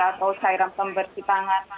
atau cairan pembersih tangan